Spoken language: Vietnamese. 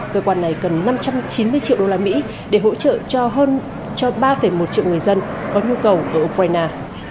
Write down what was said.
cơ quan này cần năm trăm chín mươi triệu usd để hỗ trợ cho hơn ba một triệu người dân có nhu cầu ở ukraine